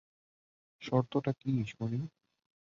শর্তটা কী শুনি।